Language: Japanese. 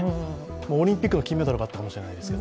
オリンピックの金メダルがあったかもしれないですけど。